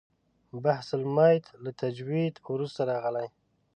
بحث المیت له تجوید وروسته راغلی.